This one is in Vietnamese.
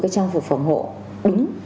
cái trang phục phòng hộ đúng